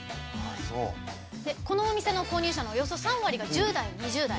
この購入者のおよそ３割が１０代、２０代。